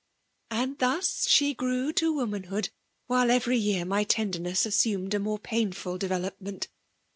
And thus, •he grew to womanhood; while, every year, kiy tenderness assnmed a more painfol de velopment.